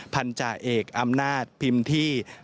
พันธาเอกอำนาจพิมพ์ที่